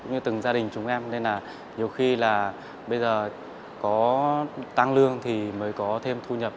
như từng gia đình chúng em nên là nhiều khi là bây giờ có tăng lương thì mới có thêm thu nhập